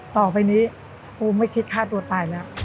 ต่อไปนี้ปูไม่คิดฆ่าตัวตายแล้ว